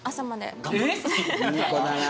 いい子だな。